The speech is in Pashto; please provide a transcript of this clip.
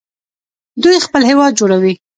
دوی خپل هیواد جوړوي.